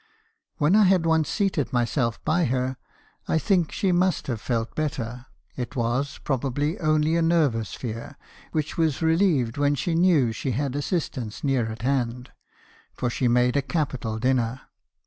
"When I had once seated myself by her, I think she must have felt better. It was, probably, only a nervous fear, which was relieved when she knew she had assistance near at hand; for she made a capi tal dinner.